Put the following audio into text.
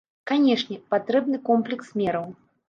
Канешне, патрэбны комплекс мераў.